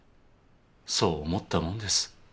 そう思ったもんです。